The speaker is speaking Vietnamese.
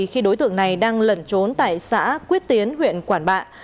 khi đối tượng này đang lẩn trốn tại xã quyết tiến huyện quản bạ